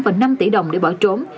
và năm tỷ đồng để bỏ trốn